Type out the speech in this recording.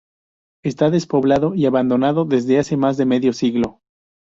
Está despoblado y abandonado desde hace más de medio siglo.